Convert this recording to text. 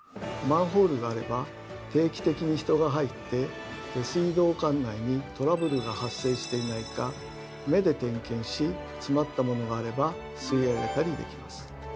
マンホールがあれば定期的に人が入って下水道管内にトラブルが発生していないか目で点検し詰まったものがあれば吸い上げたりできます。